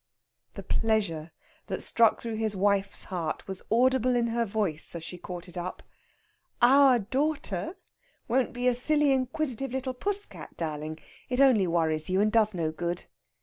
The pleasure that struck through his wife's heart was audible in her voice as she caught it up. "Our daughter won't be a silly inquisitive little puss cat, darling. It only worries you, and does no good."